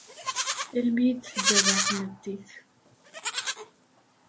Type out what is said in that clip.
Almi i d-tezreɛ tmeddit.